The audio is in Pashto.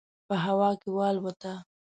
په هوا کې والوته.